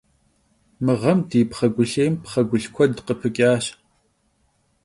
Mı ğem di pxhegulhêym pxhegulh kued khıpıç'aş.